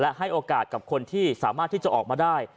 และให้โอกาสกับคนที่สามารถที่จะออกมาได้